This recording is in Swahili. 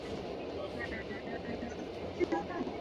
Katika mashaka anaokoa.